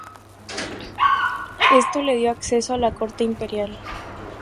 Esto le dio acceso a la corte imperial.